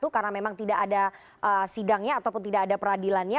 karena memang tidak ada sidangnya ataupun tidak ada peradilannya